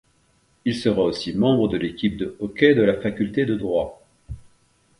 Il sera aussi membre de l’équipe de hockey de la faculté de droit.